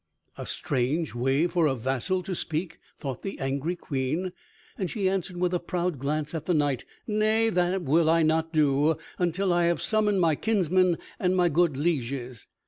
"A strange way for a vassal to speak," thought the angry Queen, and she answered with a proud glance at the knight, "Nay, that will I not do until I have summoned my kinsmen and my good lieges.